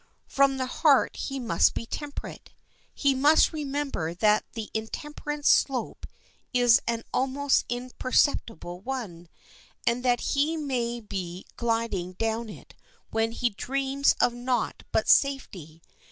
From the heart he must be temperate. He must remember that the intemperance slope is an almost imperceptible one, and that he may be gliding down it when he dreams of naught but safety.